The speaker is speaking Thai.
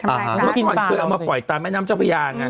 เมื่อก่อนเคยเอามาปล่อยตามแม่น้ำเจ้าพญาไง